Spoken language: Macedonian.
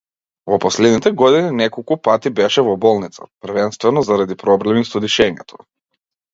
Во последните години неколку пати беше во болница, првенствено заради проблеми со дишењето.